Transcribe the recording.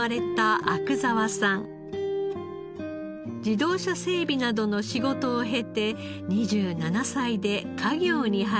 自動車整備などの仕事を経て２７歳で家業に入りました。